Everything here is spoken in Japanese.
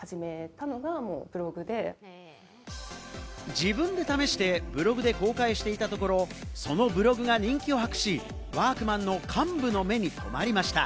自分で試して、ブログで公開していたところ、そのブログが人気を博し、ワークマンの幹部の目にとまりました。